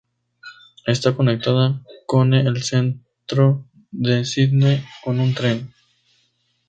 Está conectada cone el Centro de Sídney con un tren.